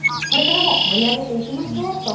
これからも盛り上げていきましょう。